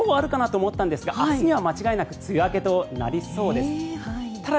今日あるかなと思ったんですが明日には間違いなく梅雨明けとなりそうです。